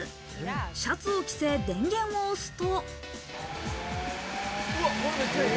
シャツを着せ、電源を押すと。